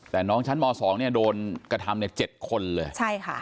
แต่น้องชั้นม๒โดนกระทำ๗คนเลย